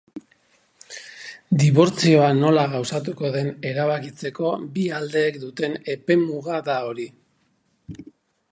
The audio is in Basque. Dibortzioa nola gauzatuko den erabakitzeko bi aldeek duten epe-muga da hori.